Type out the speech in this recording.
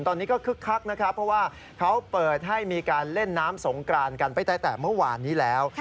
ตอนนี้ก็คึกคักนะครับเพราะว่าเขาเปิดให้มีการเล่นน้ำสงกรานกันไปตั้งแต่เมื่อวานนี้แล้ว